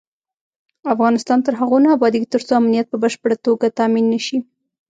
افغانستان تر هغو نه ابادیږي، ترڅو امنیت په بشپړه توګه تامین نشي.